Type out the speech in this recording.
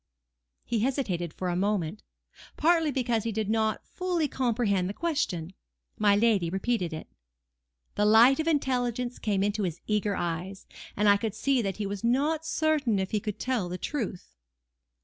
He hesitated for a moment, partly because he did not fully comprehend the question. My lady repeated it. The light of intelligence came into his eager eyes, and I could see that he was not certain if he could tell the truth.